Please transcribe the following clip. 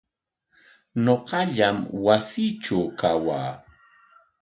Ñuqallam wasiitraw kawaa.